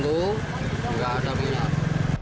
tidak ada minyak